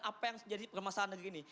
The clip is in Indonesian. apa yang jadi permasalahan negeri ini